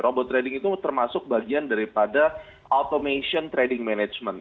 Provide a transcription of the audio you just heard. robot trading itu termasuk bagian daripada automation trading management